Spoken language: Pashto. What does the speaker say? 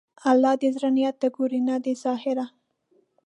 الله د زړه نیت ته ګوري، نه د ظاهره.